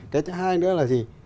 cái thứ hai nữa là gì